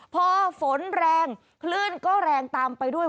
พอฝนแรงคลื่นก็แรงตามไปด้วย